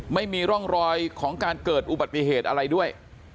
ไม่มีร่องรอยของการเกิดอุบัติเหตุอะไรด้วย